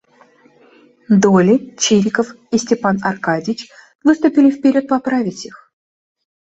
Долли, Чириков и Степан Аркадьич выступили вперед поправить их.